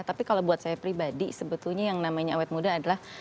tapi kalau buat saya pribadi sebetulnya yang namanya awet muda adalah